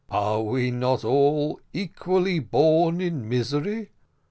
Are we not all equally born in misery?